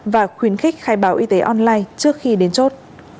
và khuyến khích khai báo y tế online trước khi đến chốt